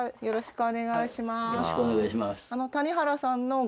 よろしくお願いします。